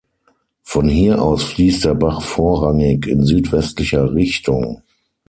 Von hier aus fließt der Bach vorrangig in südwestlicher Richtung.